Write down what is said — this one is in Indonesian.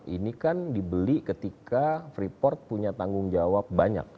ini kan dibeli ketika freeport punya tanggung jawab banyak